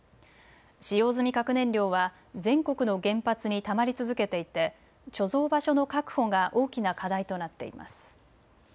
使用済み核燃料は全国の原発にたまり続けていて貯蔵場所の確保が大きな課題となっています。